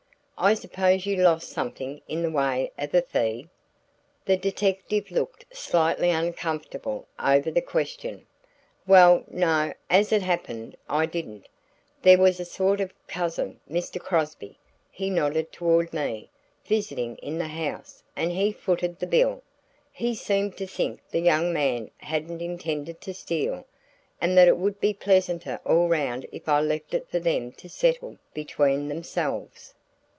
I suppose you lost something in the way of a fee?" The detective looked slightly uncomfortable over the question. "Well, no, as it happened I didn't. There was a sort of cousin Mr. Crosby" he nodded toward me "visiting in the house and he footed the bill. He seemed to think the young man hadn't intended to steal, and that it would be pleasanter all around if I left it for them to settle between themselves."